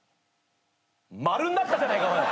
丸になったじゃねえかおい。